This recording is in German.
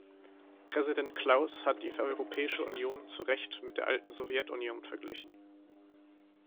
Präsident Klaus hat die Europäische Union zu Recht mit der alten Sowjetunion verglichen.